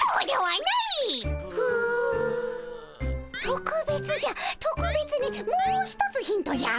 とくべつじゃとくべつにもう一つヒントじゃ。